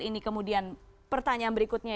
ini kemudian pertanyaan berikutnya